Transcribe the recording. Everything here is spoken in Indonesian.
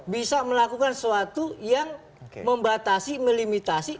bisa melakukan sesuatu yang membatasi melimitasi